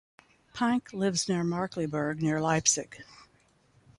Pank lives in Markkleeberg near Leipzig.